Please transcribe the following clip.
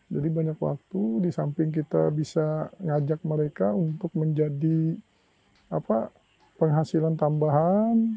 jadi banyak waktu di samping kita bisa ngajak mereka untuk menjadi penghasilan tambahan